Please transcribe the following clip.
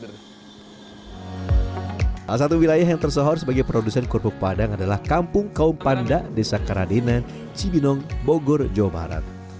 salah satu wilayah yang tersohor sebagai produsen kerupuk padang adalah kampung kaum panda desa karadenan cibinong bogor jawa barat